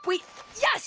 よし！